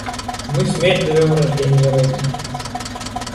Мы смерть зовем рожденья во имя.